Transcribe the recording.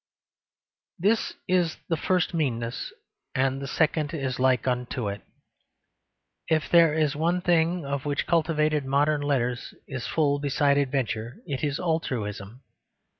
This is the first meanness; and the second is like unto it. If there is one thing of which cultivated modern letters is full besides adventure it is altruism.